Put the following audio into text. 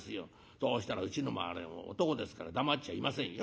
そうしたらうちのもあれ男ですから黙っちゃいませんよ。